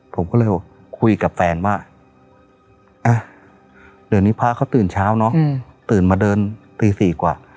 ผมก็เลยคุยกับแฟนว่าเดี๋ยวนี้พระเขาตื่นเช้าเนอะตื่นมาเดินตี๔กว่า